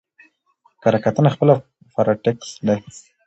کره کتنه خپله پاراټيکسټ دئ.